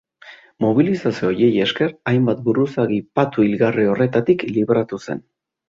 Mobilizazio horiei esker hainbat buruzagi patu hilgarri horretatik libratu zen.